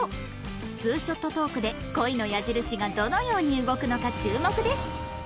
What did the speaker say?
ツーショットトークで恋の矢印がどのように動くのか注目です